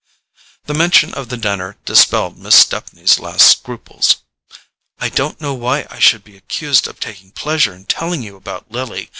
The mention of the dinner dispelled Miss Stepney's last scruples. "I don't know why I should be accused of taking pleasure in telling you about Lily.